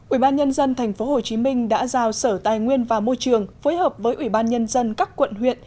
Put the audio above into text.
ủy ban nhân dân tp hcm đã giao sở tài nguyên và môi trường phối hợp với ủy ban nhân dân các quận huyện